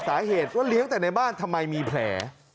สาเหตุว่าเลี้ยงแต่ในบ้านทำไมมีแผล